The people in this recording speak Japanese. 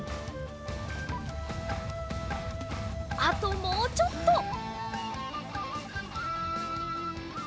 あともうちょっと。